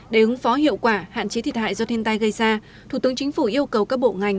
để ứng phó hiệu quả hạn chế thiệt hại do thiên tai gây ra thủ tướng chính phủ yêu cầu các bộ ngành